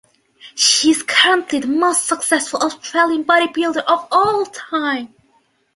She is currently the most successful Australian bodybuilder of all time.